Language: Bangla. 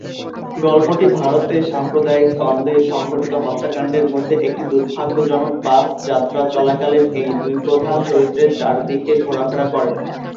গল্পটি ভারতে সাম্প্রদায়িক দ্বন্দ্বে সংঘটিত হত্যাকাণ্ডের মধ্যে একটি দুর্ভাগ্যজনক বাস যাত্রা চলাকালীন এই দুই প্রধান চরিত্রের চারদিকে ঘোরাফেরা করে।